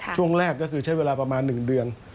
ช่วงแรกก็คือใช้เวลาประมาณ๑เดือน